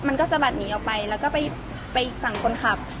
มันก็สะบัดหนีออกไปแล้วก็ไปอีกฝั่งคนขับ